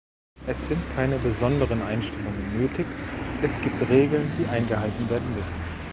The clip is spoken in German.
Es sind keine besonderen Einstellungen nötig, es gibt Regeln, die eingehalten werden müssen.